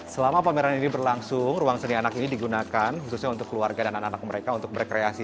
selama pameran ini berlangsung ruang seni anak ini digunakan khususnya untuk keluarga dan anak anak mereka untuk berkreasi